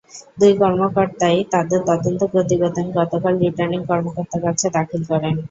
দুই কর্মকর্তাই তাঁদের তদন্ত প্রতিবেদন গতকাল রিটার্নিং কর্মকর্তার কাছে দাখিল করেন।